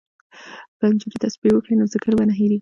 که نجونې تسبیح وکړي نو ذکر به نه هیریږي.